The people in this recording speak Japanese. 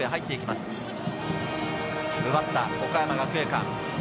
奪った岡山学芸館。